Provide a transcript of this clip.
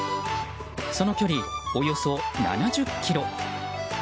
その距離、およそ７０ｋｍ。